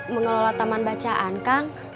mengelola taman bacaan kang